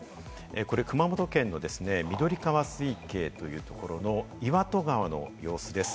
熊本県の緑川水系というところの岩戸川の様子です。